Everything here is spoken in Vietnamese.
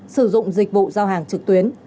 sử dụng dịch vụ giao hàng trực tuyến